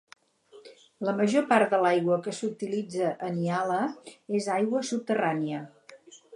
La major part de l'aigua que s'utilitza a Nyala és aigua subterrània.